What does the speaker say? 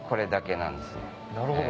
なるほど。